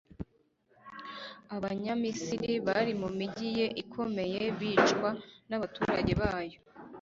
abanyamisiri bari mu migi ye ikomeye bicwa n'abaturage bayo